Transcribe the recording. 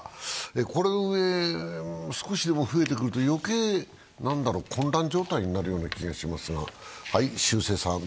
このうえ少しでも増えてくると余計混乱状態になるような気がしますが？